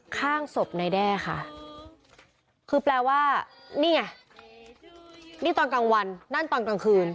ข้างศพนายแด้ค่ะคือแปลว่านี่ไงนี่ตอนกลางวันนั่นตอนกลางคืน